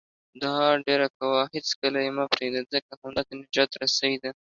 دعاء ډېره کوه، هیڅکله یې مه پرېږده، ځکه همدا د نجات رسۍ ده